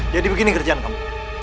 jadi begini kerjaan kamu